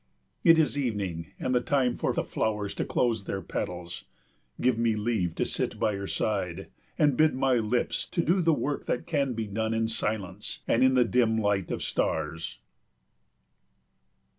It is evening, and the time for the flowers to close their petals. Give me leave to sit by your side, and bid my lips to do the work that can be done in silence and in the dim light of stars.